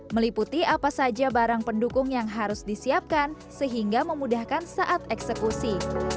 meliputi apa saja barang pendukung yang harus disiapkan sehingga memudahkan saat eksekusi